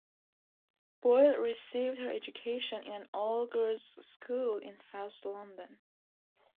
Boyle received her education in an all girls school in South London.